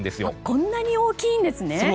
こんなに大きいんですね。